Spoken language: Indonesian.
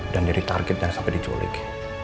dan jadi target yang sampai diculik